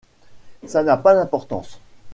Ça n’a pas d’importance.